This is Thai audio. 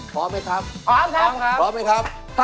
พร้อมไหมครับพร้อมครับพร้อมครับพร้อมไหมครับ